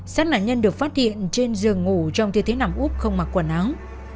sắt nạn nhân được phát hiện trên giường ngủ trong thiết thế nằm úp không mặc quần áo